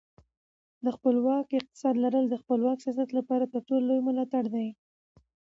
د خپلواک اقتصاد لرل د خپلواک سیاست لپاره تر ټولو لوی ملاتړ دی.